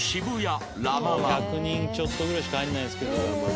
「１００人ちょっとぐらいしか入らないんですけど」